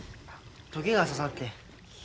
トゲが刺さって。